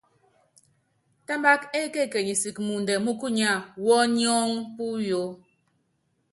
Támbák ékekenyi siki muundɛ múkúnyá wɔ́ɔ́níɔ́n puyó.